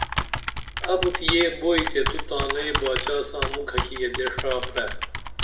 ابُت یہ بوئیتے تو تانئی باچا ساں موکھہ کی یدے ڜا پرے